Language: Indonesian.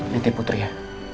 nanti putri ya